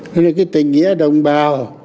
nên là cái tình nghĩa đồng bào